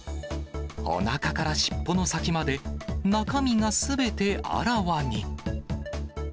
おなかから尻尾の先まで中身がすべてあらわに。